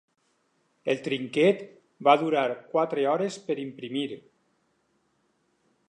El trinquet va durar quatre hores per imprimir.